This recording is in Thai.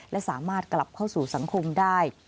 และสามารถกลับเข้าสู่สังคมได้